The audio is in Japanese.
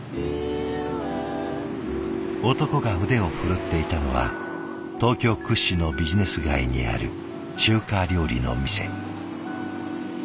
男が腕を振るっていたのは東京屈指のビジネス街にある中華料理の店。